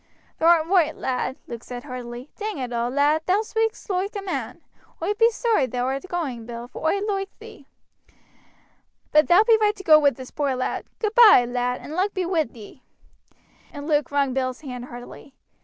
"Thou art roight, lad," Luke said heartily. "Dang it all, lad, thou speak'st loike a man. Oi be sorry thou art going, Bill, for oi loike thee; but thou be right to go wi' this poor lad. Goodby, lad, and luck be wi' ye;" and Luke wrung Bill's hand heartily.